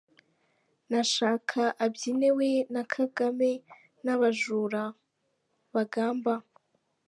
Nashaka abyine we na Kagame nabajura bagamba.